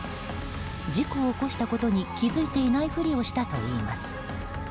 事故を起こしたことに気づいていないフリをしたといいます。